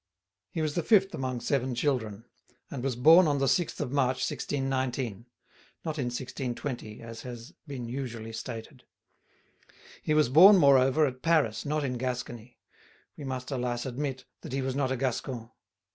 He was the fifth among seven children, and was born on the 6th of March, 1619; not in 1620, as has been usually stated. He was born, moreover, at Paris, not in Gascony; we must, alas, admit that he was not a Gascon.